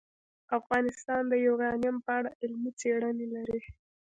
افغانستان د یورانیم په اړه علمي څېړنې لري.